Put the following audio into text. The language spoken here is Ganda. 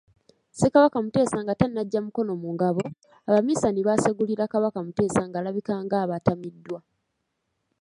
Ssekabaka Mutesa nga tannaggya mukono mu ngabo, Abamisani baasegulira Kabaka Mutesa ng'alabika ng'abatamiddwa.